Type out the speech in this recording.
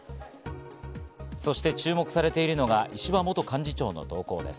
そして注目されているのが石破元幹事長の動向です。